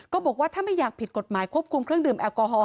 บอกว่าถ้าไม่อยากผิดกฎหมายควบคุมเครื่องดื่มแอลกอฮอล